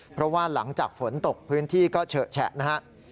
เพราะว่าหลังจากฝนตกพื้นที่ก็เฉอะแฉะนะครับ